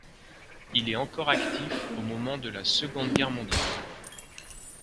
Il est encore actif au moment de la Seconde Guerre mondiale.